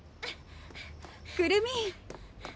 くるみ！